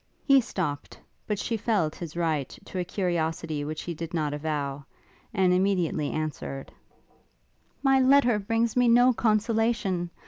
He stopt; but she felt his right to a curiosity which he did not avow, and immediately answered: 'My letter brings me no consolation!